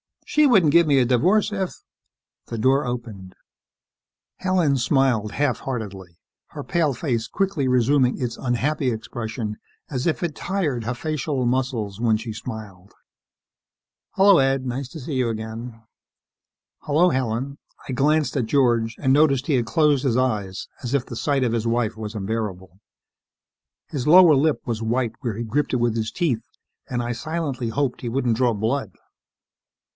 She wouldn't give me a divorce if " The door opened. Helen smiled half heartedly, her pale face quickly resuming its unhappy expression as if it tired her facial muscles when she smiled. "Hello, Ed. Nice to see you again." "Hello, Helen." I glanced at George and noticed he had closed his eyes as if the sight of his wife was unbearable. His lower lip was white where he gripped it with his teeth and I silently hoped he wouldn't draw blood.